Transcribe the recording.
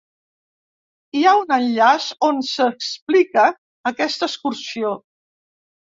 Hi ha un enllaç on s'explica aquesta excursió.